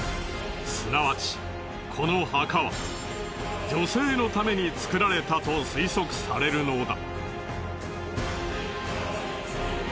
すなわちこの墓は女性のために造られたと推測されるのだ。